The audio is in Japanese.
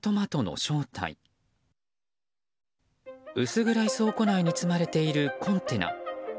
薄暗い倉庫内に積まれているコンテナ。